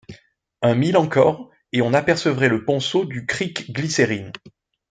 Un mille encore, et on apercevrait le ponceau du creek Glycérine.